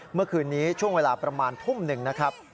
เมื่อคืนนี้ช่วงเวลาประมาณทุ่มหนึ่งนะครับ